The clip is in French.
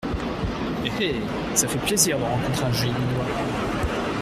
Eh ! eh ! ça fait plaisir de rencontrer un joli minois.